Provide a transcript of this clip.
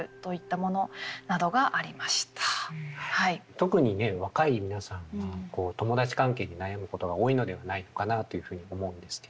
特にね若い皆さんはこう友達関係に悩むことが多いのではないのかなというふうに思うんですけれども。